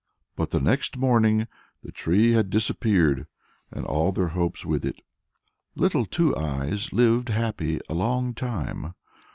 But the next morning the tree had disappeared, and all their hopes with it. Little Two Eyes lived happy a long time.